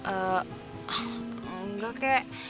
eh enggak kek